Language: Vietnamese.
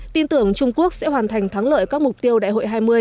tin tưởng trung quốc sẽ hoàn thành thắng lợi các mục tiêu đại hội hai mươi